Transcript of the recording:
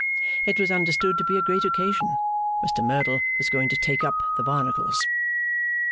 It was understood to be a great occasion. Mr Merdle was going to take up the Barnacles.